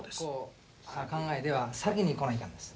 考えでは先に来ないかんです。